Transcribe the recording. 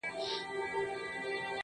• د محبت دار و مدار کي خدايه .